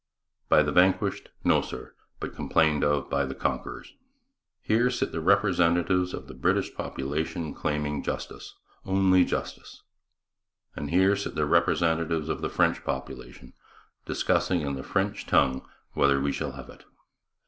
By the vanquished? No, sir, but complained of by the conquerors! [French Canadian cheers.] Here sit the representatives of the British population claiming justice only justice; and here sit the representatives of the French population, discussing in the French tongue whether we shall have it.